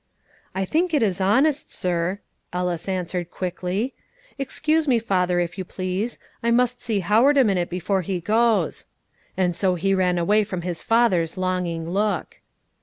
"I think it is honest, sir," Ellis answered quickly. "Excuse me, father, if you please; I must see Howard a minute before he goes;" and so he ran away from his father's longing look.